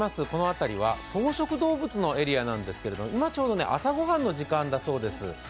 辺りは草食動物のエリアなんですが今、ちょうど朝御飯の時間だそうです。